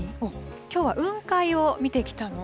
きょうは雲海を見てきたの？